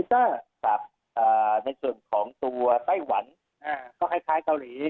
ครับอ่าในส่วนของตัวไต้หวันอ่าก็คล้ายคล้ายเกาหลี